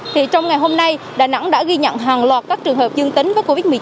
thì trong ngày hôm nay đà nẵng đã ghi nhận hàng loạt các trường hợp dương tính với covid một mươi chín